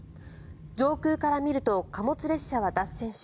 上空から見ると貨物列車は脱線し